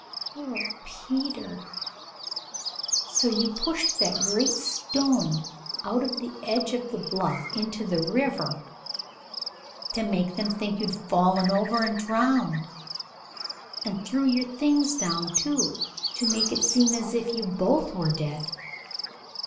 "Poor Peter! So you pushed that great stone out of the edge of the bluff into the river to make them think you had fallen over and drowned and threw your things down, too, to make it seem as if you both were dead."